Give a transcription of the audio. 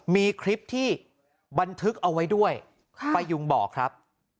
มีคลิปที่บันทึกเอาไว้ด้วยป้ายุงบอกครับ